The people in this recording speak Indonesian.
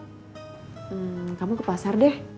hmm kamu ke pasar deh